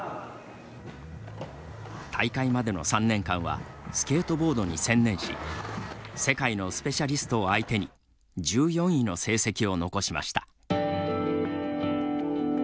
大会までの３年間はスケートボードに専念し世界のスペシャリストを相手に１４位の成績を残しました。